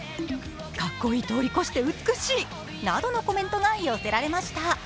かっこいい通り越して美しいなどのコメントが寄せられました。